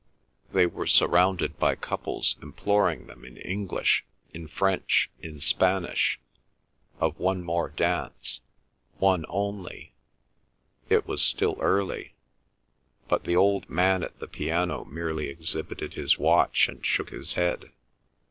They were surrounded by couples imploring them in English, in French, in Spanish, of one more dance, one only; it was still early. But the old man at the piano merely exhibited his watch and shook his head.